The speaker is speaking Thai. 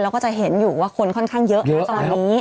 ก็จะเห็นอยู่ว่าคนค่อนข้างเยอะนะตอนนี้